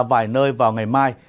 vài nơi vào ngày mai